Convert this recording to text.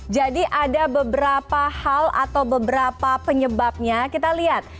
jadi ada beberapa hal atau beberapa penyebabnya kita lihat